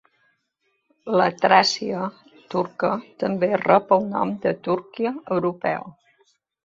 La Tràcia turca també rep el nom de Turquia europea.